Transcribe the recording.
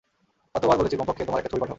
কতবার বলেছি কমপক্ষে, তোমার একটা ছবি পাঠাও।